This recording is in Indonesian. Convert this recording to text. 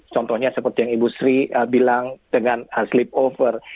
contohnya seperti yang ibu sri bilang dengan hard sleep over